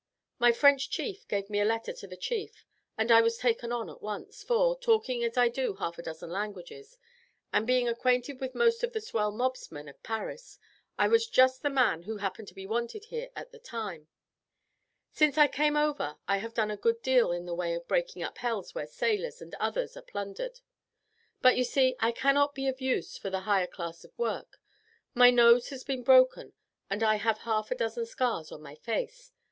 My French chief gave me a letter to the chief, and I was taken on at once, for, talking as I do half a dozen languages, and being acquainted with most of the swell mobsmen of Paris, I was just the man who happened to be wanted here at the time. Since I came over I have done a good deal in the way of breaking up hells where sailors and others are plundered. But, you see, I cannot be used for the higher class of work; my nose has been broken, and I have half a dozen scars on my face.